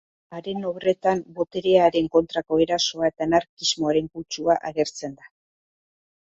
Haren obretan boterearen kontrako erasoa eta anarkismoaren kutsua agertzen da.